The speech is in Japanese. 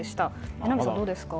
榎並さん、どうですか。